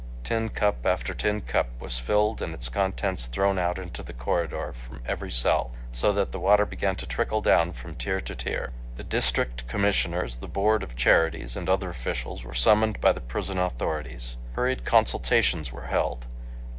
Tin cup after tin cup was filled and its contents thrown out into the corridor from every cell, so that the water began to trickle down from tier to tier. The District Commissioners, the Board of Charities, and other officials were summoned by the prison authorities. Hurried consultations were held.